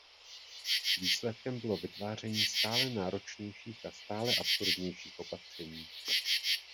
Výsledkem bylo vytváření stále náročnějších a stále absurdnějších opatření.